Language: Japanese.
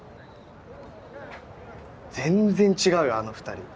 全然違うよあの２人。